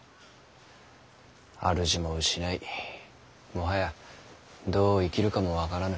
主も失いもはやどう生きるかも分からぬ。